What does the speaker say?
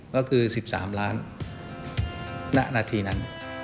ก็คือ๑๓ล้านณนาทีนั้น